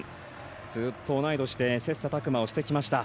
ずっと同い年で切さたく磨をしてきました。